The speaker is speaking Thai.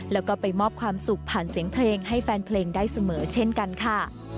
แล้วก็ไปมอบความสุขผ่านเสียงเพลงให้แฟนเพลงได้เสมอเช่นกันค่ะ